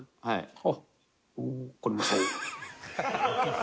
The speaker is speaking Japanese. はい。